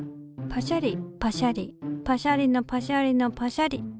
パシャリパシャリパシャリのパシャリのパシャリ。